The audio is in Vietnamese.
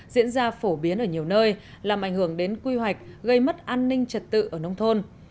diễn ra phổ biến ở nhiều nơi làm ảnh hưởng đến quy hoạch gây mất an ninh trật tự ở nông thôn